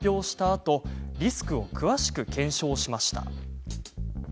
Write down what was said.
あとリスクを詳しく検証しました。